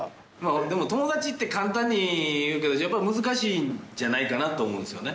でも友達って簡単に言うけど、やっぱり難しいんじゃないかなと思うんですよね。